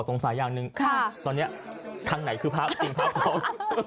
อีกอย่างหนึ่งตอนนี้ทางไหนคือภาพจริงภาพพร้อม